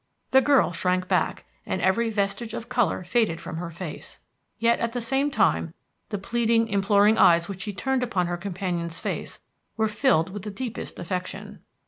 The girl shrank back, and every vestige of color faded from her face. Yet at the same time, the pleading, imploring eyes which she turned upon her companion's face were filled with the deepest affection.